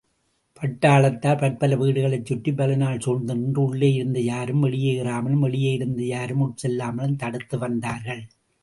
பட்டாளத்தார் பற்பல வீடுகளைச் சுற்றி பலநாள் சூழ்ந்து நின்று, உள்ளேயிருந்துயாரும் வெளியேறாமலும் வெளியிலிருந்து யாரும் உட்செல்லாமலும் தடுத்து வந்தார்கள்.